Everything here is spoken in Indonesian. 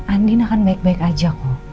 andi akan baik baik aja